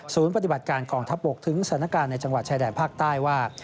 ปฏิบัติการกองทัพบกถึงสถานการณ์ในจังหวัดชายแดนภาคใต้ว่า